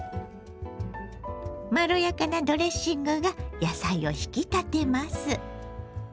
まろやかなドレッシングが野菜を引き立てます。